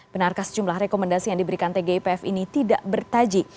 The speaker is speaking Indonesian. benarkah sejumlah rekomendasi yang diberikan tgipf ini tidak bertaji